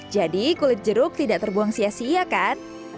jadi kulit jeruk tidak terbuang sia sia kan